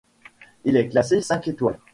Il est classé cinq étoiles.